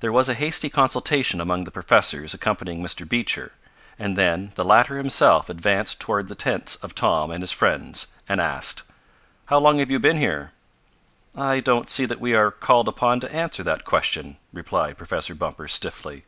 There was a hasty consultation among the professors accompanying Mr. Beecher, and then the latter himself advanced toward the tents of Tom and his friends and asked: "How long have you been here?" "I don't see that we are called upon to answer that question," replied Professor Bumper stiffly.